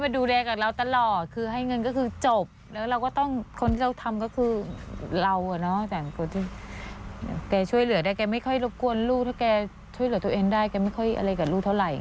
ไม่ค่อยรบกวนลูกถ้าแกช่วยเหลือตัวเองได้แกไม่ค่อยอะไรกับลูกเท่าไหร่